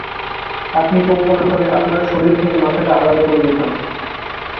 আপনি পঙ্গু না হলে আপনার শরীর থেকে মাথাটা আলাদা করে দিতাম।